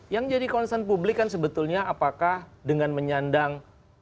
yang jadi concern publik kan sebetulnya apakah dengan menyandang